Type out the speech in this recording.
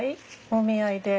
お見合いで？